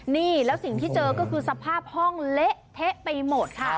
นี่แล้วสิ่งที่เจอก็คือสภาพห้องเละเทะไปหมดค่ะ